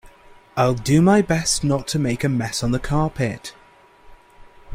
I'll do my best not to make a mess on the carpet.